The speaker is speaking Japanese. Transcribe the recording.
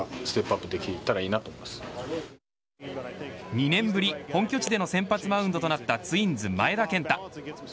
２年ぶり本拠地での先発マウンドとなったツインズ前田健太。